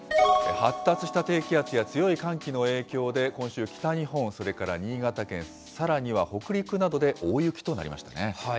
発達した低気圧や強い寒気の影響で、今週、北日本、それから新潟県、さらには北陸などで大雪となりましたね。